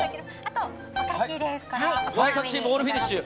ごはんさんチームオールフィニッシュ。